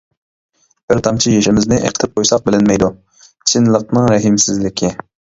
بىر تامچە يېشىمىزنى ئېقىتىپ قويساق بىلىنمەيدۇ چىنلىقنىڭ رەھىمسىزلىكى.